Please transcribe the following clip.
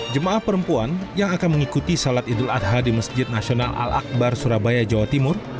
jemaah perempuan yang akan mengikuti salat idul adha di masjid nasional al akbar surabaya jawa timur